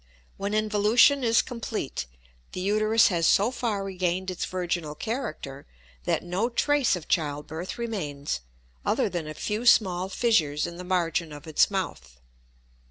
When involution is complete, the uterus has so far regained its virginal character that no trace of childbirth remains other than a few small fissures in the margin of its mouth.